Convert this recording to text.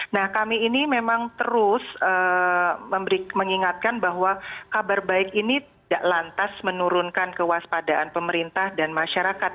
nah kami ini memang terus mengingatkan bahwa kabar baik ini tidak lantas menurunkan kewaspadaan pemerintah dan masyarakat